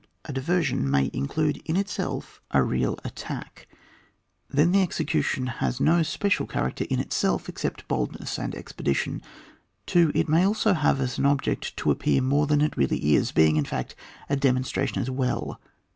A diversion may include in itself 34 ON WAR, [book VII. a real attack, then the execution has no special character in itself except boldness and expedition. 2. It may also have as an object to appear more than it really is, being, in fact, a demonstration as well.